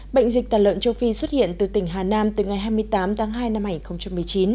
bệnh dịch tàn lợn châu phi xuất hiện từ tỉnh hà nam từ ngày hai mươi tám tháng hai năm hai nghìn một mươi chín